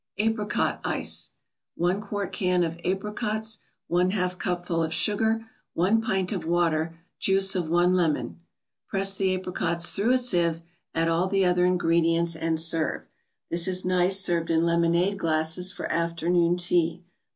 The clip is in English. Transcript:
APRICOT ICE 1 quart can of apricots 1/2 cupful of sugar 1 pint of water Juice of one lemon Press the apricots through a sieve, add all the other ingredients, and serve. This is nice served in lemonade glasses for afternoon tea.